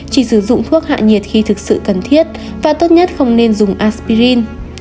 chỉ sử dụng thuốc hạ nhiệt khi thực sự cần thiết và tốt nhất không nên dùng aspirin